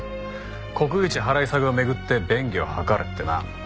国有地払い下げを巡って便宜を図れってな。